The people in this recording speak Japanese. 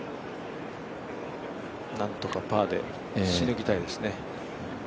なんとかパーでしのぎたいですね。